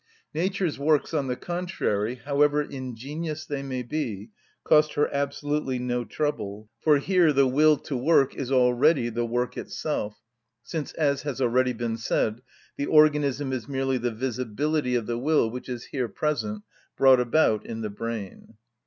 Nature's works, on the contrary, however ingenious they may be, cost her absolutely no trouble; for here the will to work is already the work itself, since, as has already been said, the organism is merely the visibility of the will which is here present, brought about in the brain.